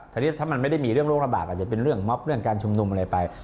ทีนี้ถ้ามันไม่ได้มีเรื่องโรคระบาดอาจจะเป็นเรื่องม็อบเรื่องการชุมนุมอะไรไป